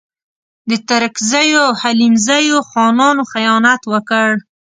د ترکزیو او حلیمزیو خانانو خیانت وکړ.